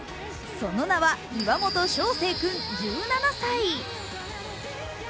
その名は、岩本将成君１７歳。